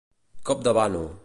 Cop de vano.